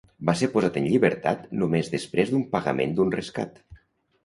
Va ser posat en llibertat només després d'un pagament d'un rescat.